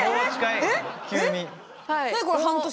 急に。